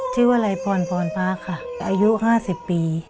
ชื่อว่าไรพรพรพระครับอายุ๕๐ปี